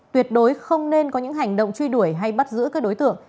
tuyệt đối không nên có những hành động truy đuổi hay bắt giữ các đối tượng